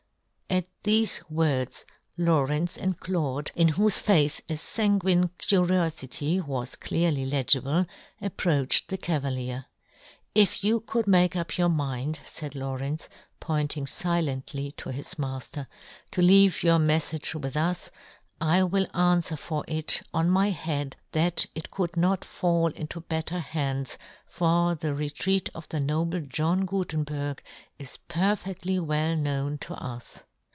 At thefe words Lawrence and Claude, in whofe face a fanguine curiofity was clearly legible, ap proached the cavalier. " If you " could make up your mind," faid Lawrence, pointing filently to his mafter, " to leave your meflage with "us, I will anfwer for it, on my " head, that it could not fall into " better hands, for the retreat of the " noble John Gutenberg is perfedlly " well known to us."